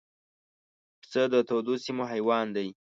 پسه د تودو سیمو حیوان دی.